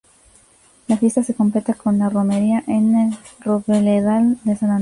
La fiesta se completa con la romería en el robledal de San Antonio.